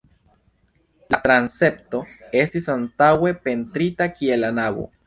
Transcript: La transepto estis antaŭe pentrita kiel la navo.